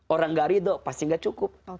orang gak ridho pasti gak cukup